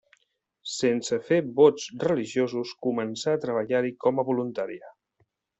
Sense fer vots religiosos, començà a treballar-hi com a voluntària.